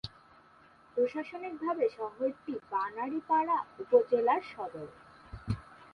প্রশাসনিকভাবে শহরটি বানারীপাড়া উপজেলার সদর।